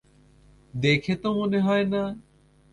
দেখে তো মনে হয় না!